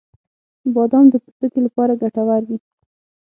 • بادام د پوستکي لپاره ګټور وي.